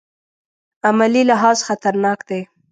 عملي لحاظ خطرناک دی.